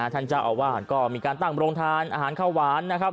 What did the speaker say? ท่านเจ้าอาวาสก็มีการตั้งโรงทานอาหารข้าวหวานนะครับ